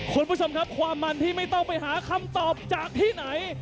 คุณผู้ชมครับความมันที่ไม่ต้องไปหาคำตอบจากที่ไหน